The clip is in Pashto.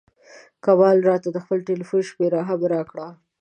کمال راته د خپل ټیلفون شمېره هم راکړه.